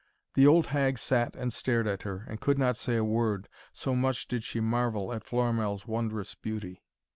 The old hag sat and stared at her, and could not say a word, so much did she marvel at Florimell's wondrous beauty.